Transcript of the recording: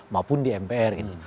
maupun di mpr gitu